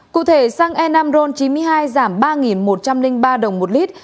cụ thể xăng e năm ron chín mươi hai giảm ba một trăm linh ba đồng một lít